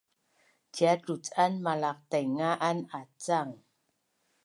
ciatu lucan malaqtainga an acang